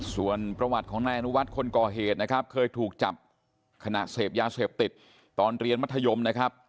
ส่วนประวัติของนายอนุวัฒน์คนก่อเหตุนะครับเคยถูกจับขณะเสพยาเสพติดตอนเรียนมัธยมนะครับ